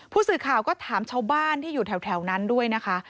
ผู้สื่อข่าวก็ถามชาวบ้านที่อยู่แถวนั้นด้วยนะคะ